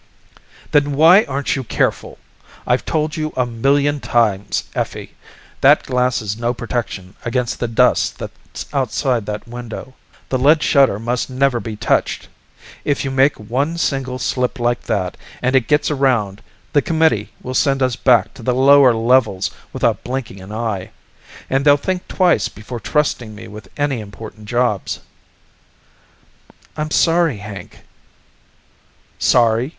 "Then why aren't you careful? I've told you a million times, Effie, that glass is no protection against the dust that's outside that window. The lead shutter must never be touched! If you make one single slip like that and it gets around, the Committee will send us back to the lower levels without blinking an eye. And they'll think twice before trusting me with any important jobs." "I'm sorry, Hank." "Sorry?